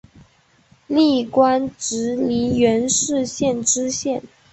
历官直隶元氏县知县。